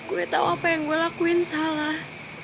gue tau apa yang gue lakuin salah